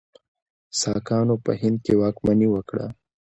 ساکانو په هند کې واکمني وکړه.